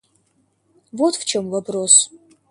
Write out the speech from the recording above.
Вот в чем вопрос!